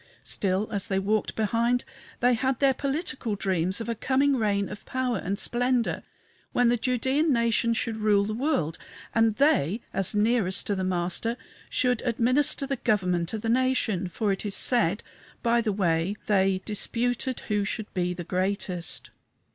Still, as they walked behind, they had their political dreams of a coming reign of power and splendor, when the Judæan nation should rule the world, and they, as nearest to the Master, should administer the government of the nation for it is said, by the way they "disputed who should be the greatest."